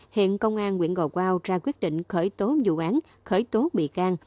hiện công an nguyễn gò quao ra quyết định khởi tố vụ án khởi tố bị can